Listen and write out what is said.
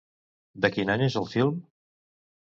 De quin any és el film?